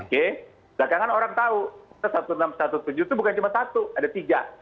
belakangan orang tahu enam ratus tujuh belas itu bukan cuma satu ada tiga